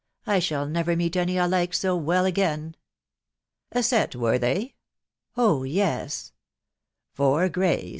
. I shall never meet any I like so well again." " A set, were they ?"— cs Oh yes." *f Four greys